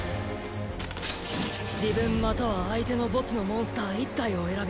自分または相手の墓地のモンスター１体を選び